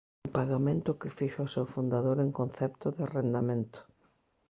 Un pagamento que fixo ao seu fundador en concepto de arrendamento.